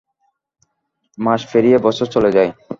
মাস পেরিয়ে বছর চলে যায়।